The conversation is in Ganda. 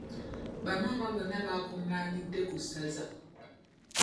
Bamaama bonna baakungaanidde ku ssaza.